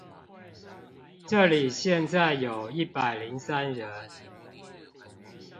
這裡現在有一百零三人